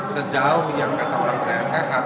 sejauh yang kata orang saya sehat